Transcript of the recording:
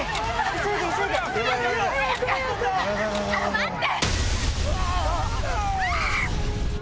待って！